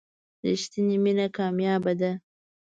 رښتینې مینه کمیابه ده.